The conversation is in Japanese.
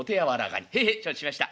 「へいへい承知しました。